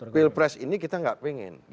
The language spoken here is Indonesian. pilpres ini kita nggak pengen